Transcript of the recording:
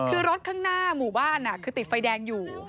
คือรถข้างหน้าหมู่บ้านคือติดไฟแดงอยู่